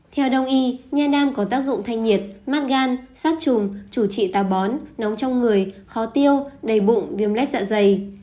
theo đồng ý nha đam có tác dụng thanh nhiệt mát gan sát trùng chủ trị tà bón nóng trong người khó tiêu đầy bụng viêm lét dạ dày